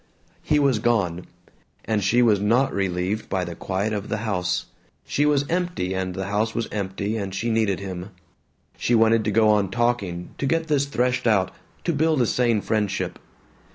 He was gone. And she was not relieved by the quiet of the house. She was empty and the house was empty and she needed him. She wanted to go on talking, to get this threshed out, to build a sane friendship.